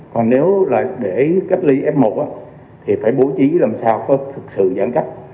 còn nếu là để cách ly f một thì phải bố trí làm sao có thực sự giãn cách